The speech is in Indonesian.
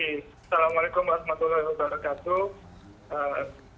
assalamualaikum warahmatullahi wabarakatuh